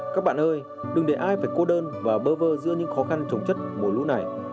các bạn ơi đừng để ai phải cô đơn và bơ vơ giữa những khó khăn chống chất mùa lũ này